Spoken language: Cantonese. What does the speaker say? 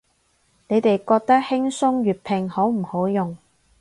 你哋覺得輕鬆粵拼好唔好用啊